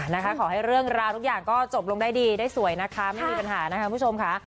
นะคะขอให้เรื่องราวทุกอย่างก็จบลงได้ดีได้สวยนะคะไม่มีปัญหานะคะคุณผู้ชมค่ะ